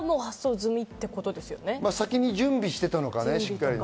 先にしっかり準備してたのかね。